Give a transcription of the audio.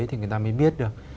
thì người ta mới biết được